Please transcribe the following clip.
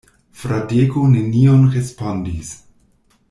Fradeko nenion respondis.